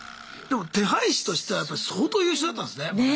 でも手配師としてはやっぱ相当優秀だったんですね。ね！